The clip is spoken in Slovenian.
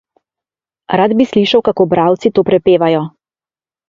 Rad bi slišal, kako bralci to prepevajo.